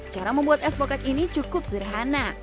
cara membuat es pokek ini cukup sederhana